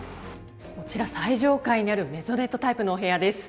こちら最上階にあるメゾネットタイプのお部屋です。